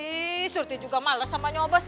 eh surti juga males sama nyobos ya